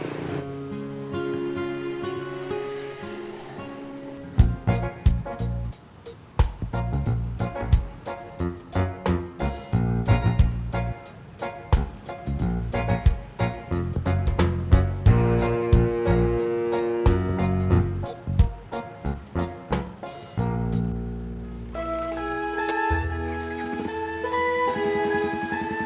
kamu harus berhati hati